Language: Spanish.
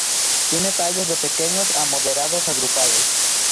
Tiene tallos de pequeños a moderados, agrupados.